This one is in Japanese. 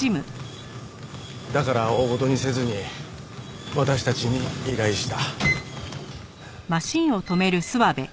だから大ごとにせずに私たちに依頼した。